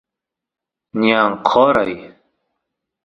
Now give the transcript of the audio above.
ñan qoray